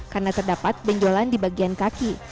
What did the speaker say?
karena terdapat benjolan di bagian kaki